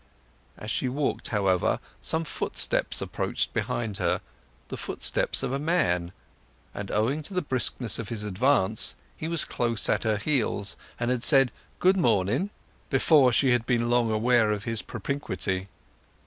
As she walked, however, some footsteps approached behind her, the footsteps of a man; and owing to the briskness of his advance he was close at her heels and had said "Good morning" before she had been long aware of his propinquity.